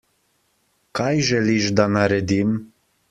Kaj želiš, da naredim?